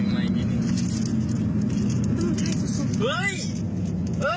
มีไหมอีกนิดหนึ่ง